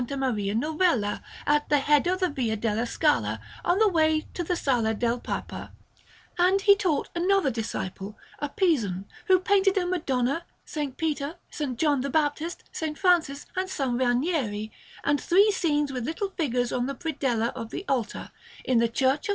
Maria Novella, at the head of the Via della Scala, on the way to the Sala del Papa; and he taught another disciple, a Pisan, who painted a Madonna, S. Peter, S. John the Baptist, S. Francis, and S. Ranieri, and three scenes with little figures on the predella of the altar, in the Church of S.